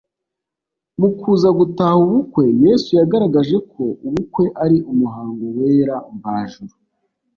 Mu kuza gutaha ubu bukwe, Yesu yagaragaje ko ubukwe ari umuhango wera mvajuru.